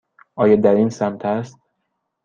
آیا در این سمت است؟